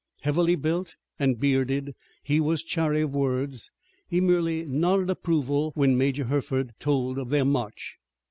Heavily built and bearded, he was chary of words. He merely nodded approval when Major Hertford told of their march.